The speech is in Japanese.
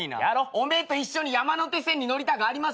お前と一緒に山手線に乗りたくありません。